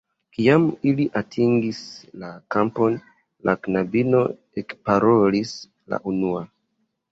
Kiam ili atingis la kampon, la knabino ekparolis la unua.